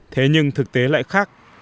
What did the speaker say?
thế nhưng thực tế lại khác